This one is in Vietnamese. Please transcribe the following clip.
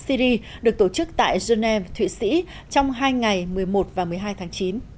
syri được tổ chức tại geneva thụy sĩ trong hai ngày một mươi một và một mươi hai tháng chín